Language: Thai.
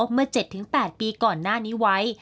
เมื่อ๗๘ปีก่อนหน้านี้ไว้